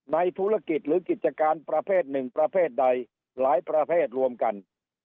ในธุรกิจหรือกิจการประเภทหนึ่งประเภทใดหลายประเภทรวมกัน